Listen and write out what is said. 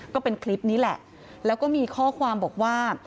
ก็เป็นคลิปนี้แหละแล้วก็มีข้อความบอกว่า